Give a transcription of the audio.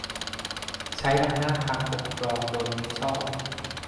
- ใช้อำนาจทางปกครองโดยมิชอบ